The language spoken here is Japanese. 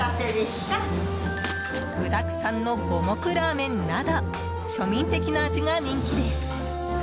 具だくさんの五目ラーメンなど庶民的な味が人気です。